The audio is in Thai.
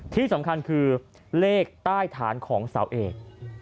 ที่สำคัญคือเลขใต้ฐานของเสาเอก